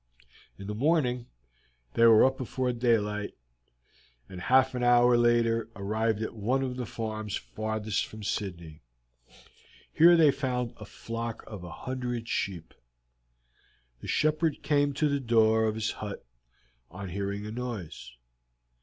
In the morning they were up before daylight, and half an hour later arrived at one of the farms farthest from Sydney. Here they found a flock of a hundred sheep. The shepherd came to the door of his hut on hearing a noise.